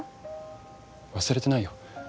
忘れてないよ。